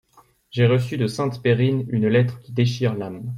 J'ai reçu de Sainte-Périne une lettre qui déchire l'âme.